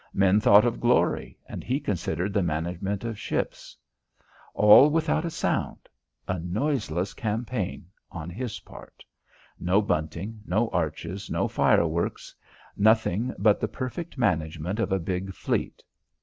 Men thought of glory and he considered the management of ships. All without a sound. A noiseless campaign on his part. No bunting, no arches, no fireworks; nothing but the perfect management of a big fleet.